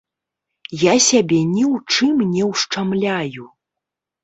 Я сябе ні ў чым не ўшчамляю.